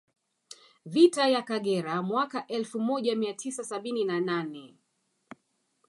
Vita ya Kagera mwaka elfu moja mia tisa sabini na nane